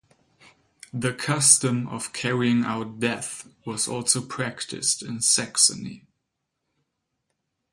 The custom of carrying out Death was also practiced in Saxony.